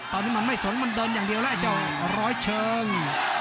ตอนนี้มันไม่สนมันเดินอย่างเดียวแล้วไอ้เจ้าร้อยเชิง